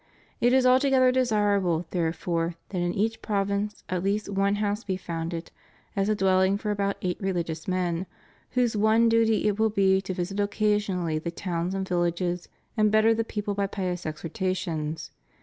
It is altogether de sirable, therefore, that in each province at least one house be founded, as a dwelhng for about eight religious men, whose one duty it will be to visit occasionally the towns and villages and better the people by pious exhortations.